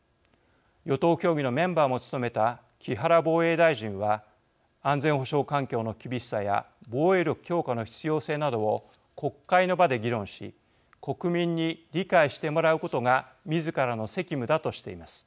与党協議のメンバーも務めた木原防衛大臣は安全保障環境の厳しさや防衛力強化の必要性などを国会の場で議論し国民に理解してもらうことがみずからの責務だとしています。